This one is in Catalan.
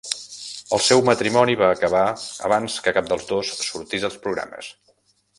El seu matrimoni va acabar abans que cap dels dos sortís als programes.